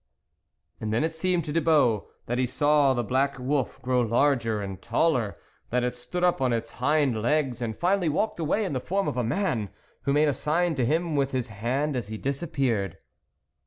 And then it seemed to Thibault that he saw the black wolf grow larger and taller, that it stood up on its hind legs and finally walked away in the form of a man, who made a sign to him with his hand as he disappeared.